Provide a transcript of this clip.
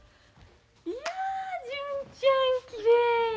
いや純ちゃんきれいや。